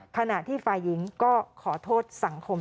ขณะที่ฝ่ายหญิงก็ขอโทษสังคม